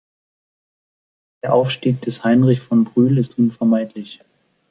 Der Aufstieg des Heinrich von Brühl ist unvermeidlich.